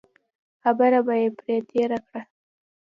خبره به یې پرې تېره کړه.